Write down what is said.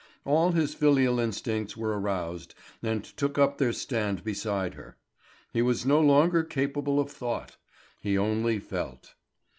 All his filial instincts were aroused and took up their stand beside her. He was no longer capable of thought; he only felt.